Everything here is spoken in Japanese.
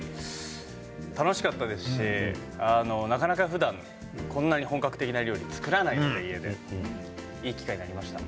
楽しかったですしなかなかふだん、こんな本格的な料理を作らないので家でいい機会になりました。